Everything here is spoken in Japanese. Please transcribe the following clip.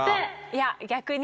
いや逆に。